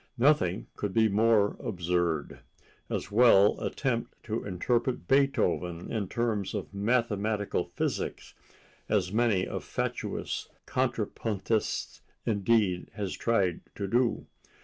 Nothing could be more absurd: as well attempt to interpret Beethoven in terms of mathematical physics—as many a fatuous contrapuntist, indeed, has tried to do.